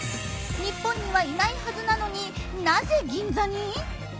日本にはいないはずなのになぜ銀座に！？